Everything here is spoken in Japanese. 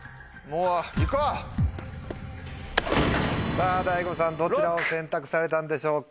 さぁＤＡＩＧＯさんどちらを選択されたんでしょうか？